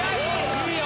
いいよ！